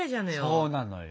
そうなのよ。